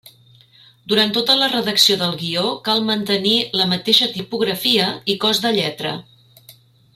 Durant tota la redacció del guió cal mantenir la mateixa tipografia i cos de lletra.